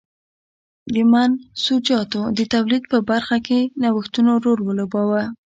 د منسوجاتو د تولید په برخه کې نوښتونو رول ولوباوه.